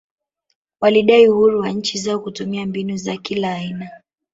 Walidai uhuru wa nchi zao kutumia mbinu za kila aina